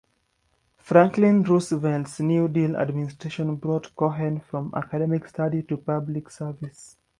Franklin Roosevelt's New Deal administration brought Cohen from academic study to public service.